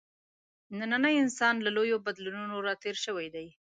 نننی انسان له لویو بدلونونو راتېر شوی دی.